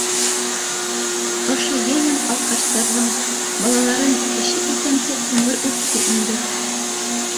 Ошо йыйын алкаштарҙың балаларын кеше итәм тип ғүмер үтте инде.